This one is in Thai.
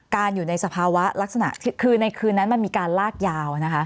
การอยู่ในสภาวะที่คือคืนนั้นมันมีการลากยาว